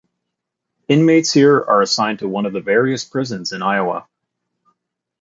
Inmates here are assigned to one of the various prisons in Iowa.